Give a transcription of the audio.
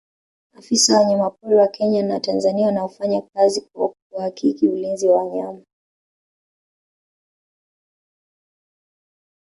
afisa wa wanyamapori wa kenya na tanzania wanaofanya kazi kwa kuhakiki ulinzi wa wanyama